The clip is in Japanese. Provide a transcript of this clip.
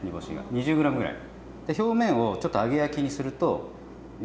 ２０ｇぐらい。